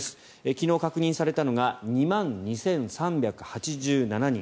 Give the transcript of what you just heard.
昨日確認されたのが２万２３８７人。